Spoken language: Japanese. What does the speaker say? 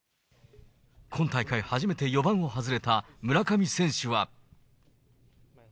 今大会、初めて４番を外れた村上選手は。